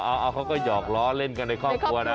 เอาเขาก็หยอกล้อเล่นกันในครอบครัวนะ